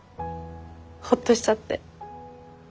ホッとしちゃって。